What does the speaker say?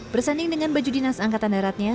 bersanding dengan baju dinas angkatan daratnya